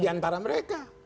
di antara mereka